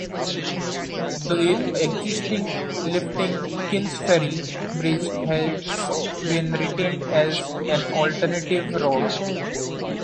The existing lifting Kingsferry Bridge has been retained as an alternative route.